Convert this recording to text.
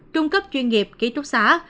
trung cấp chuyên nghiệp kỹ thuật xã